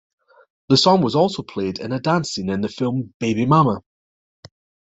The song was also played in a dance scene in the film "Baby Mama".